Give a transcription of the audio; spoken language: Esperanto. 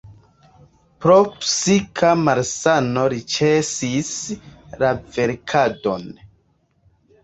Pro psika malsano li ĉesis la verkadon.